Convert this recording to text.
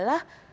nah yang terjadi